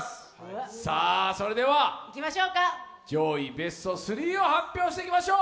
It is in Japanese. それでは上位ベスト３を発表していきましょう。